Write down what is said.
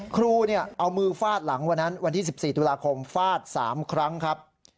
ครูเอามือฟาดหลังวันนั้นวันที่๑๔ตุลาคมฟาด๓ครั้งครับ